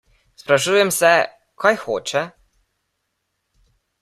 Sprašujem se, kaj hoče?